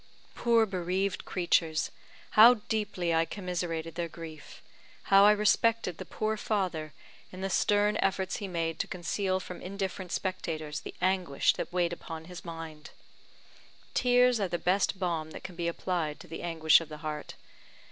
Poor bereaved creatures, how deeply I commiserated their grief how I respected the poor father, in the stern efforts he made to conceal from indifferent spectators the anguish that weighed upon his mind! Tears are the best balm that can be applied to the anguish of the heart.